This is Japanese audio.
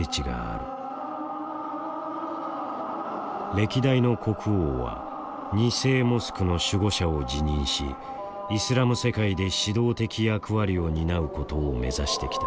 歴代の国王は「二聖モスクの守護者」を自認しイスラム世界で指導的役割を担うことを目指してきた。